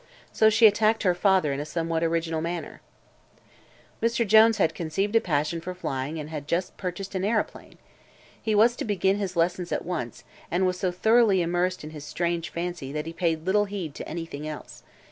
So she attacked her father in a somewhat original manner. Mr. Jones had conceived a passion for flying and had just purchased an aeroplane. He was to begin his lessons at once and was so thoroughly immersed in his strange fancy that he paid little heed to anything else.